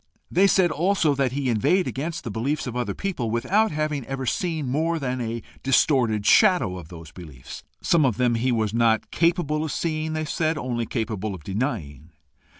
They said also that he inveighed against the beliefs of other people, without having ever seen more than a distorted shadow of those beliefs some of them he was not capable of seeing, they said only capable of denying.